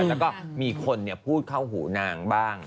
แล้วก็มีคนพูดเข้าหูนางบ้าง